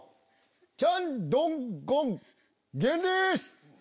チャンドンゴンゲンです。